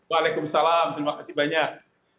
waalaikumsalam terima kasih banyak